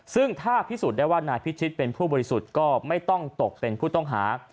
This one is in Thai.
ซึ่งถ้าพิสูจน์ได้ว่านายพิชิตเป็นผู้บริสุทธิ์ก็ไม่ต้องตกเป็นผู้ต้องหา